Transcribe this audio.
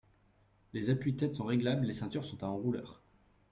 Les appuie-têtes sont réglables, les ceintures sont à enrouleurs.